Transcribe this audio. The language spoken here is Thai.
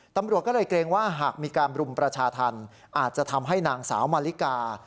ตำรวจก็เลยเกรงว่าหากมีการบรุมประชาธรรมอาจจะทำให้นางสาวมาริกา